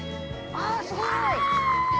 ◆あっ、すごい。